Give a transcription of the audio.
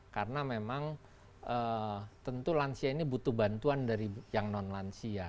karena memang tentu lansia ini butuh bantuan dari yang non lansia